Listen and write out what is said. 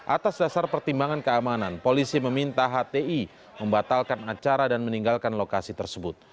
atas dasar pertimbangan keamanan polisi meminta hti membatalkan acara dan meninggalkan lokasi tersebut